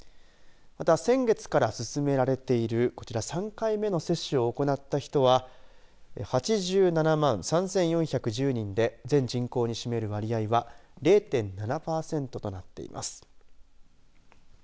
また、先月から進められているこちら３回目の接種を行った人は８７万３４１０人で全人口に占める割合は０．７パーセントとなっています。